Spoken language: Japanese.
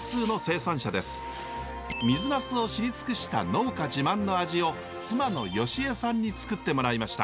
水ナスを知り尽くした農家自慢の味を妻の芳衣さんにつくってもらいました。